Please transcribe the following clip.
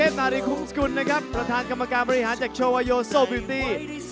สิทธิ์การในวัสดี